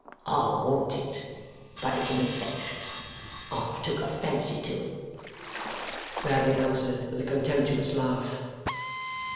'I want it. But it can be fetched. I've took a fancy to it.' Bradley answered with a contemptuous laugh.